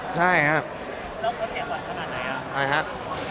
ใช่ครับใช่ครับ